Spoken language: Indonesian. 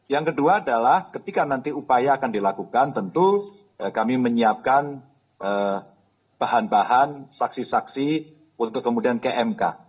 yang kedua adalah ketika nanti upaya akan dilakukan tentu kami menyiapkan bahan bahan saksi saksi untuk kemudian ke mk